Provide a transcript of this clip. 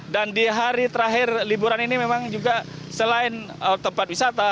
dan di hari terakhir liburan ini memang juga selain tempat wisata